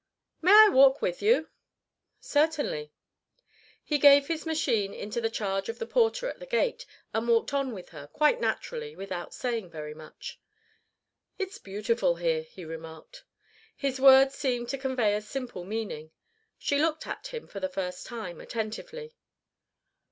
"May I walk with you?" "Certainly." He gave his machine into the charge of the porter at the gate and walked on with her, quite naturally, without saying very much: "It's beautiful here," he remarked. His words seemed to convey a simple meaning. She looked at him, for the first time, attentively.